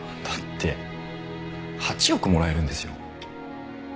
だって８億もらえるんですよ。